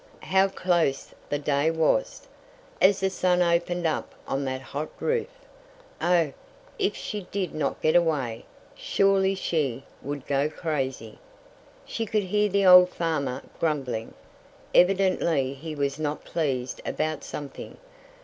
How close the day was, as the sun opened up on that hot roof! Oh, if she did not get away, surely she would go crazy! She could hear the old farmer grumbling. Evidently he was not pleased about something.